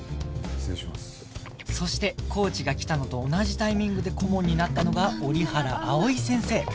そしてコーチが来たのと同じタイミングで顧問になったのが折原葵先生